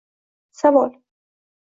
Savol.